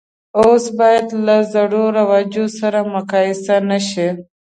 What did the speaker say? اوس باید له زړو رواجو سره مقایسه نه شي.